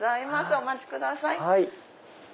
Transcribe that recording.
お待ちください。